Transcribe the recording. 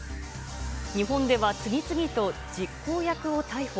日本では次々と実行役を逮捕。